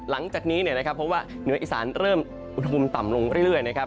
หลังจากนี้เนี่ยนะครับเพราะว่าเหนืออีสานเริ่มอุณหภูมิต่ำลงเรื่อยนะครับ